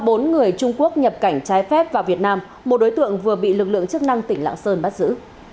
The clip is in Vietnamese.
tổ chức cho bốn người trung quốc nhập cảnh trái phép vào việt nam một đối tượng vừa bị lực lượng chức năng tỉnh lạng sơn bắt giữ